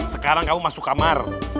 sekarang kamu masuk kamar